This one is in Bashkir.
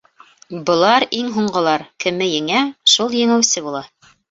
Былар иң һуңғылар, кеме еңә, шул еңеүсе була.